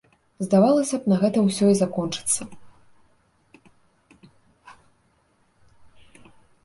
Здавалася б, на гэтым усё і закончыцца.